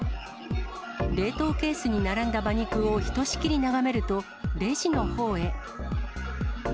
冷凍ケースに並んだ馬肉をひとしきり眺めると、レジのほうへ。